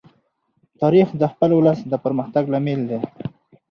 تاریخ د خپل ولس د پرمختګ لامل دی.